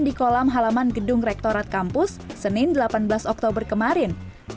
di kolam halaman gedung rektorat kampus senin delapan belas oktober kemarin